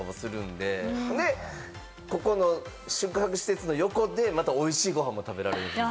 で、ここの宿泊施設の横でまたおいしいご飯も食べられるんですよ。